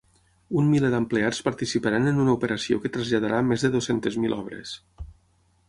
Un miler d’empleats participaran en una operació que traslladarà més de dues-centes mil obres.